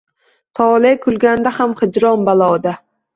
Tole kulganda ham hijron-baloda